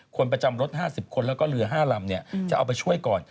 คนประจำรถ๕๐คนแล้วก็เรือ๕ลำจะเอาไปช่วยก่อน